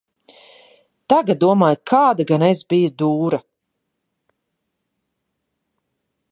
"Tagad domāju, kāda gan es biju "dūra"."